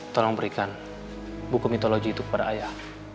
tolong berikan buku mintologi itu kepada ayah